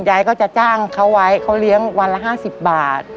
ยายก็จะจ้างเขาไว้เขาเลี้ยงวันละ๕๐บาท